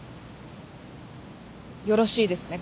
よろしいですね？